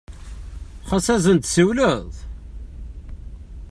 Ɣas ad sen-tsiwleḍ?